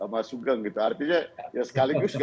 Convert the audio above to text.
mas sugeng gitu artinya ya sekaligus